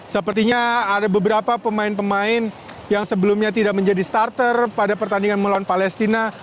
sepertinya ada beberapa pemain pemain yang sebelumnya tidak menjadi starter pada pertandingan melawan palestina